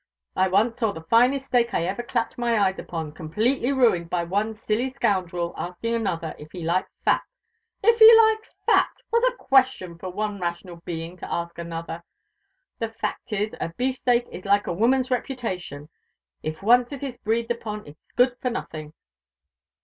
I once saw the finest steak I ever clapped my eyes upon completely ruined by one silly scoundrel asking another if he liked fat. If he liked fat! what a question for one rational being to ask another! The fact is, a beef steak is like a woman's reputation, if once it is breathed upon it's good for nothing!"